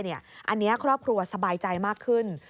อันนี้ครอบครัวสบายใจมากขึ้น